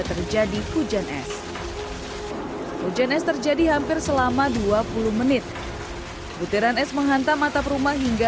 terjadi hujan es hujan es terjadi hampir selama dua puluh menit butiran es menghantam atap rumah hingga